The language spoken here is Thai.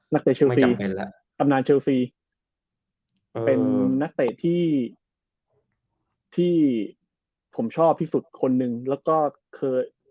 เตะเชลซีตำนานเชลซีเป็นนักเตะที่ผมชอบที่สุดคนหนึ่งแล้วก็เคย